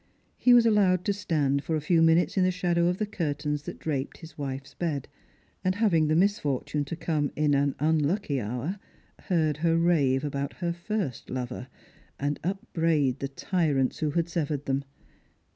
He was allowed to stand for a few minutes in the shadow of the curtains that draped his wife's bed; and having the misfortune to come in an unlucky hour, heard her rave about her first lover, and upbraid the tyrants who had severed them.